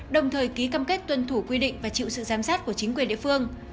đồng thời ký cam kết tuân thủ quy định và chịu sự giám sát của chính quyền địa phương